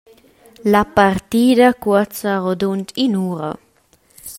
La partida cuoza rodund in’ura.